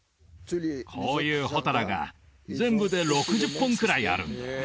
こういうホタラが全部で６０本くらいあるんだ